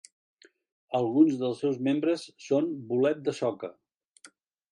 Alguns dels seus membres són bolet de soca.